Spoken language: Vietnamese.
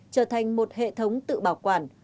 trở thành một hệ thống tự bảo quản